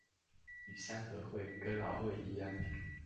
與三合會、哥老會一樣